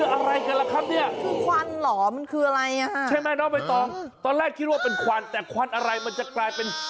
อะไรกันนี่ไงอะไรวะเขาทำอะไรวะ